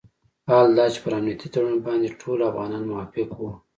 حال دا چې پر امنیتي تړون باندې ټول افغانان موافق وو.